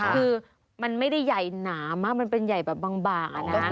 คือมันไม่ได้ใหญ่หนามากมันเป็นใหญ่แบบบางบ่านะ